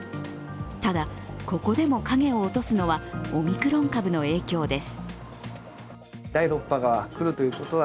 ただ、ここでも影を落とすのはオミクロン株の影響です。